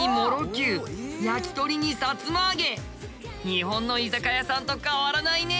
日本の居酒屋さんと変わらないね。